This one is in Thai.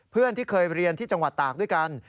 เพื่อนที่เคยเรียนที่จังหวัดตากด้วยกัน